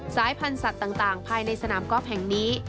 สายพันธุ์สัตว์ต่างภายในสนามกอล์ฟแห่งนี้